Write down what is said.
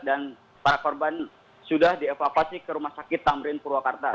dan para korban sudah dievakuasi ke rumah sakit tamrin purwakarta